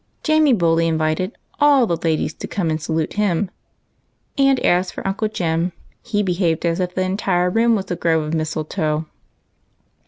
Jamie boldly invited all the ladies to come and salute him ; and as for Uncle Jem, he behaved as if the entire UNDER THE MISTLETOE. 237 room was a grove of mistletoe.